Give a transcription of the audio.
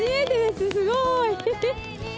すごーい！